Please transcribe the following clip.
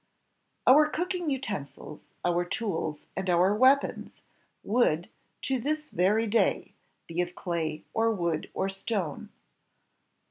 Our cooking utensils, our tools, and our weapons would, to this very day, be of clay or wood or stone.